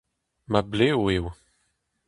Ma blev eo.